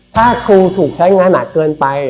ถ้าครูถูกใช้งานหนักเกินไป